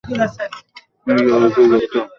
ঐ যে বুড়িটাকে দেখছো?